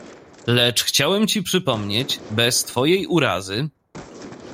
Lecz chciałem ci przypomnieć, bez twojej urazy